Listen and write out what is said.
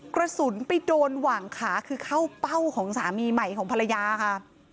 กระสุนไปโดนหว่างขาคือเข้าเป้าของสามีใหม่ของภรรยาค่ะ